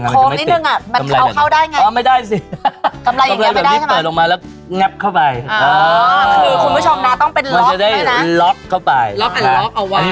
มันมีกำไรมีโค้งนิดนึงอะมันเข้าได้ไง